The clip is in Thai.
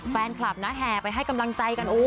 แฟนคลับนะแห่ไปให้กำลังใจกัน